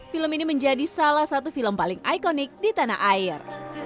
film ini menjadi salah satu film paling ikonik di tanah air